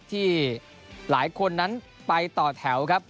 ที่หลายคนนั้นไปต่อแถวครับ